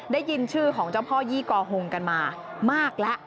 ได้ยินชื่อของเจ้าพ่อยี่กอฮงกันมามากแล้ว